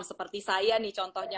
seperti saya nih contohnya